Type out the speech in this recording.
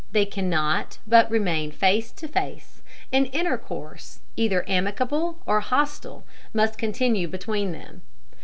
They cannot but remain face to face, and intercourse, either amicable or hostile, must continue between them.